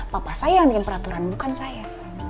papa saya yang nyerim peraturan bukan saya